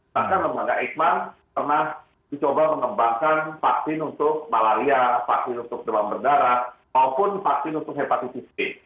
bahkan lembaga eijkman pernah dicoba mengembangkan vaksin untuk malaria vaksin untuk demam berdarah maupun vaksin untuk hepatitis b